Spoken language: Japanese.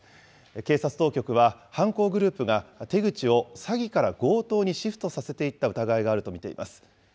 警察当局は、犯行グループが手口を詐欺から強盗にシフトさせていった疑いがあると見ています。